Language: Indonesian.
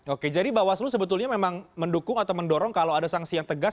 oke jadi bawaslu sebetulnya memang mendukung atau mendorong kalau ada sanksi yang tegas